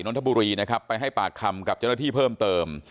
นทบุรีนะครับไปให้ปากคำกับเจ้าหน้าที่เพิ่มเติม